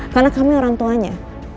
karena kamu orangtuanya